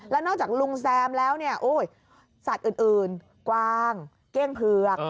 แล้วนอกจากลุงแซมแล้วเนี่ยสัตว์อื่นกวางเก้งเผือก